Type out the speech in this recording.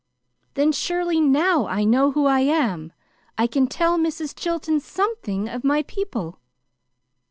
"Then, surely now I know who I am! I can tell Mrs. Chilton SOMETHING of my people."